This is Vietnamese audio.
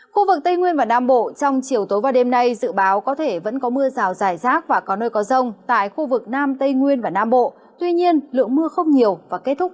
khu vực hà nội nhiều mây có mưa vài nơi gió nhẹ trời rét